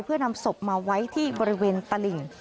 เพื่อนำศพมาไว้ที่บริเวณตลิ่ง